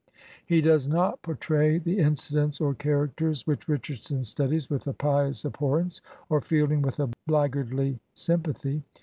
He does not portray the incidents or characters which Richardson studies with a pious abhorrence, or Fielding with a blackguardly sympathy.